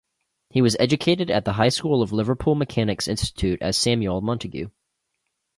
He was educated at the High School of Liverpool Mechanics' Institute as Samuel Montagu.